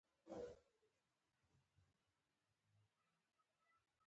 څوک غسل نه ورکوي.